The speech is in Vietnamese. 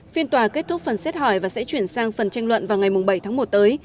phiên tòa kết thúc phần xét hỏi và sẽ chuyển sang phần tranh luận vào ngày bảy tháng một tới